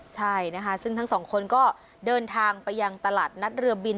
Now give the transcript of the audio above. ใช่นะคะซึ่งทั้งสองคนก็เดินทางไปยังตลาดนัดเรือบิน